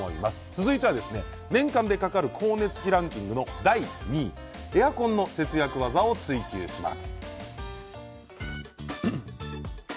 続いては年間でかかる光熱費ランキングの第２位エアコンの節約技を「ツイＱ」します。